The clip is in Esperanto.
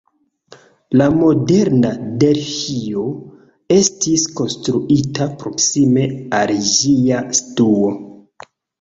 La moderna Delhio estis konstruita proksime al ĝia situo.